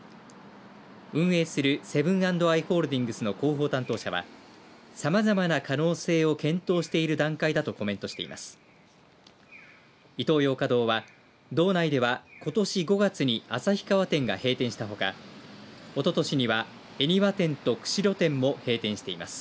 運営するセブン＆アイ・ホールディングスの広報担当者はさまざまな可能性を検討している段階だとコメントしています。